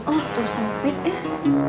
oh tuh sempit deh